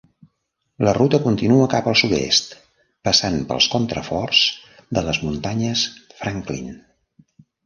La ruta continua cap al sud-est passant pels contraforts de les Muntanyes Franklin.